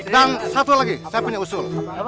dan satu lagi saya punya usul